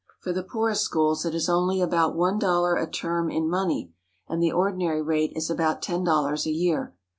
For the poorest schools it is only about one dollar a term in money, and the ordinary rate is about ten dollars a year.